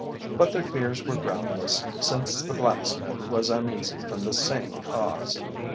But their fears were groundless, since the blacksmith was uneasy from the same cause.